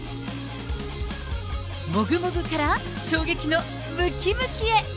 もぐもぐから衝撃のむきむきへ。